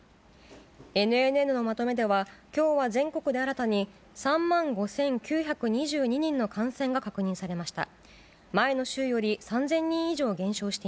ＮＮＮのまとめでは、きょうは全国で新たに、３万５９２２人の感染が確認されました。